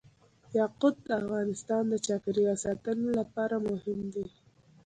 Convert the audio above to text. یاقوت د افغانستان د چاپیریال ساتنې لپاره مهم دي.